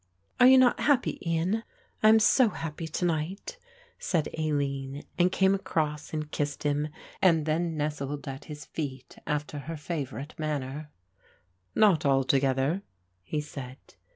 "Are you not happy, Ian? I am so happy to night," said Aline, and came across and kissed him and then nestled at his feet after her favourite manner. "Not altogether," he said.